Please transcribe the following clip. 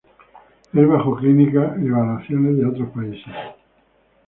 Es bajo clínica evaluaciones de otros países.